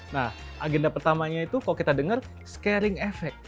nah agenda pertamanya itu kalau kita dengar scaring effect